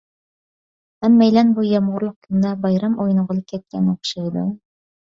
ھەممەيلەن بۇ يامغۇرلۇق كۈندە بايرام ئوينىغىلى كەتكەن ئوخشايدۇ.